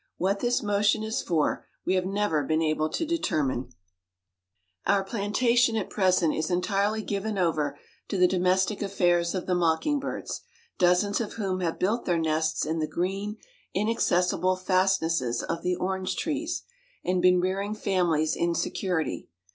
What this motion is for, we have never been able to determine. Our plantation, at present, is entirely given over to the domestic affairs of the mocking birds, dozens of whom have built their nests in the green, inaccessible fastnesses of the orange trees, and been rearing families in security.